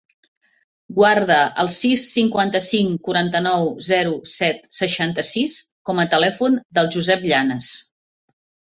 Guarda el sis, cinquanta-cinc, quaranta-nou, zero, set, seixanta-sis com a telèfon del Josep Llanes.